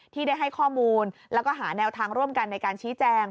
ที่ได้ให้ข้อมูลแล้วก็หาแนวทางร่วมกันในการชี้แจง